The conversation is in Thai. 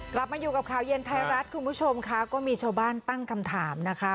กลับมาอยู่กับข่าวเย็นไทยรัฐคุณผู้ชมค่ะก็มีชาวบ้านตั้งคำถามนะคะ